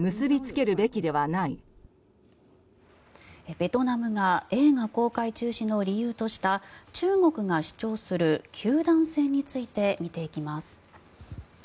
ベトナムが映画公開中止の理由とした中国が主張する九段線について見ていきます。